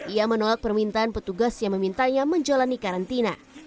ia menolak permintaan petugas yang memintanya menjalani karantina